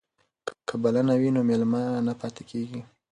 که بلنه وي نو مېلمه نه پاتې کیږي.